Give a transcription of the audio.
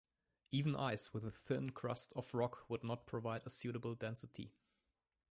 Even ice with a thin crust of rock would not provide a suitable density.